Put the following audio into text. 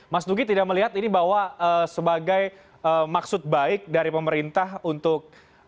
mas nugi tidak melihat ini bahwa sebagai maksud baik dari pemerintah untuk